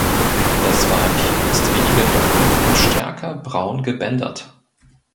Das Weibchen ist weniger dunkel und stärker braun gebändert.